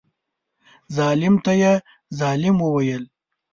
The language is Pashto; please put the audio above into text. ظالم ته یې ظالم وویل.